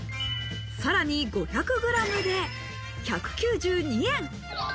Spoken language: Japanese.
さらに５００ｇで１９２円。